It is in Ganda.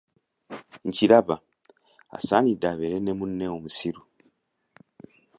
Nkilaba, asaanidde abeere ne munne omusiru!